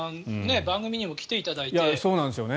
番組にも来ていただいて。